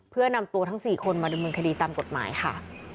เพื่อนำตัวทั้ง๔คนมาดำเนินคดีตามกฎหมายค่ะ